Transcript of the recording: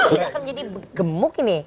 ini akan menjadi gemuk ini